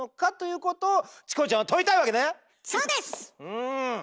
うん。